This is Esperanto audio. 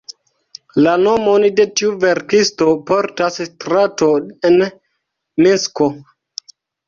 La nomon de tiu verkisto portas strato en Minsko.